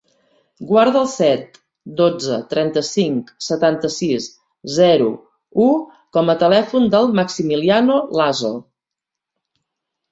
Guarda el set, dotze, trenta-cinc, setanta-sis, zero, u com a telèfon del Maximiliano Laso.